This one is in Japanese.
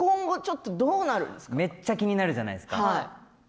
めっちゃ気になるじゃないですか。